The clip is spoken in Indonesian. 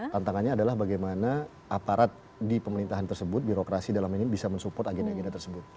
tantangannya adalah bagaimana aparat di pemerintahan tersebut birokrasi dalam ini bisa mensupport agen agen tersebut